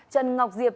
trần ngọc diệp